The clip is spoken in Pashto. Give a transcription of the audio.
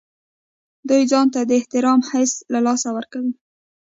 دوی ځان ته د احترام حس له لاسه ورکوي.